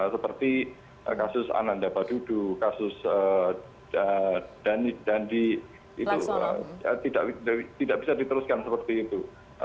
seperti kasus ananda badudu kasus dandi itu tidak bisa diteruskan seperti itu